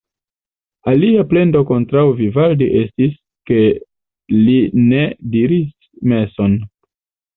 Alia plendo kontraŭ Vivaldi estis, ke li ne diris meson.